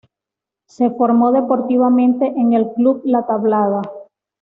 Se formó deportivamente en el Club La Tablada.